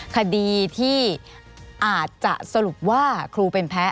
คดีที่อาจจะสรุปว่าครูเป็นแพ้